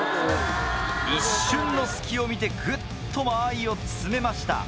一瞬の隙を見てグッと間合いを詰めました。